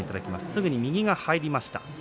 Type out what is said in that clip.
すぐに右が入りました。